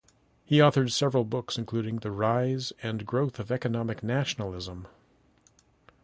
He authored several books, including "The Rise and Growth of Economic Nationalism".